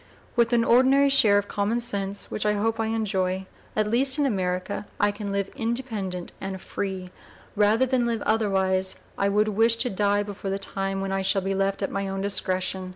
With an ordinary share of common sense, which I hope I enjoy, at least in America I can live independent and free; and rather than live otherwise I would wish to die before the time when I shall be left at my own discretion.